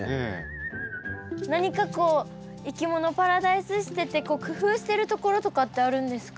何かこういきものパラダイスしてて工夫してるところとかってあるんですか？